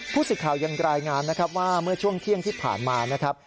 ผู้สื่อข่าวยังรายงานนะครับว่าเมื่อช่วงเที่ยงที่ผ่านมานะครับ